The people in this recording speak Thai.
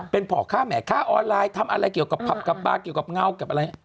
เป็นพ่อค้าแหม่ค่าออนไลน์ทำอะไรเกี่ยวกับผับกับปลาเกี่ยวกับเงากับอะไร